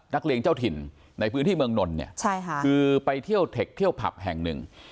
นักเรียงเจ้าถิ่นในพื้นที่เมืองนลเนี่ยคือไปเทคเที่ยวผับแห่งหนึ่ง